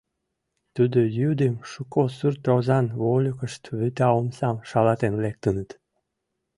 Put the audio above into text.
Тудо йӱдым шуко сурт озан вольыкышт вӱта омсам шалатен лектыныт.